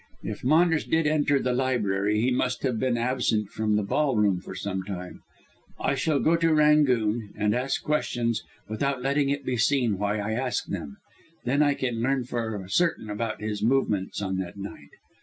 "If Maunders did enter the library he must have been absent from the ballroom for some time. I shall go to 'Rangoon' and ask questions without letting it be seen why I ask them. Then I can learn for certain about his movements on that night.